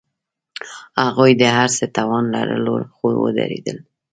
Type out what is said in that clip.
هغوی د هر څه توان لرلو، خو ودریدل.